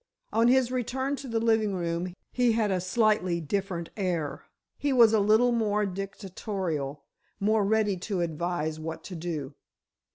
On his return to the living room, he had a slightly different air. He was a little more dictatorial, more ready to advise what to do.